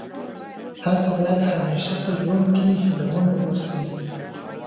تاسي باید همېشه په ژوند کي هیله من اوسئ.